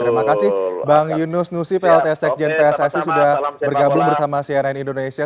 terima kasih bang yunus nusi plt sekjen pssi sudah bergabung bersama cnn indonesia